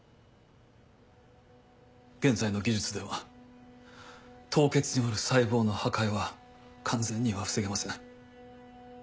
現在の技術では凍結による細胞の破壊は完全には防げません。